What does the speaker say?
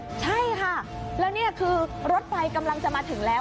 ใช่ค่ะแล้วนี่คือรถไฟกำลังจะมาถึงแล้ว